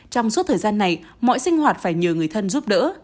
trong suốt thời gian này mọi sinh hoạt phải nhờ người thân giúp đỡ